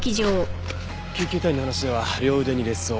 救急隊員の話では両腕に裂創。